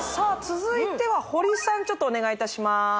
続いては堀さんちょっとお願いいたします